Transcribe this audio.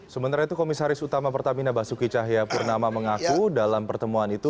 sementara itu komisaris utama pertamina basuki cahaya purnama mengaku dalam pertemuan itu